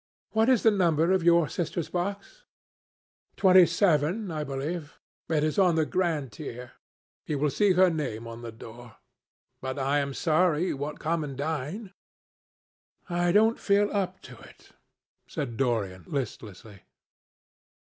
What is the number of your sister's box?" "Twenty seven, I believe. It is on the grand tier. You will see her name on the door. But I am sorry you won't come and dine." "I don't feel up to it," said Dorian listlessly.